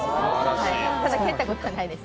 蹴ったことはないです。